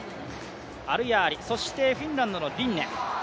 アルヤーリ、そしてフィンランドのリンネ。